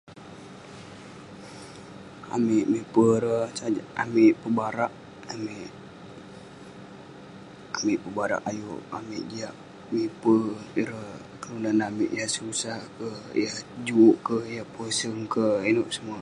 Amik miepe ireh amik pebarak amik, amik pebarak ayuk amik jiak miepi ireh keluan amik yah susah ke yah juk'it ke yah poseng keh ineuk semua